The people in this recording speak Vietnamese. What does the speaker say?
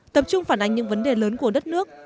tập trung phản ánh những vấn đề lớn của đất nước